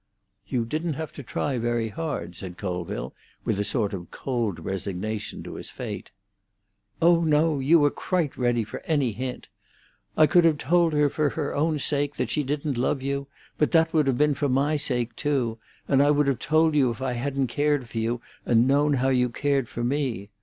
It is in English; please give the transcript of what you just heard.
"You didn't have to try very hard," said Colville, with a sort of cold resignation to his fate. "Oh no; you were quite ready for any hint. I could have told her for her own sake that she didn't love you, but that would have been for my sake too; and I would have told you if I hadn't cared for you and known how you cared for me.